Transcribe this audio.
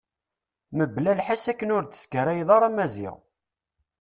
Mebla lḥess akken ur d-teskaray ara Maziɣ.